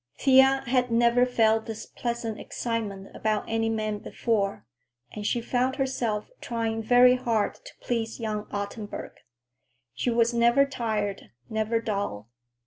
Thea had never felt this pleasant excitement about any man before, and she found herself trying very hard to please young Ottenburg. She was never tired, never dull.